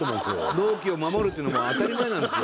納期を守るっていうのはもう当たり前なんですよ。